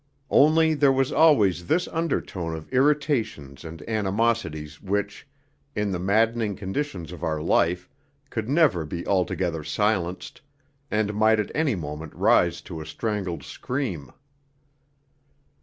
Only there was always this undertone of irritations and animosities which, in the maddening conditions of our life, could never be altogether silenced, and might at any moment rise to a strangled scream.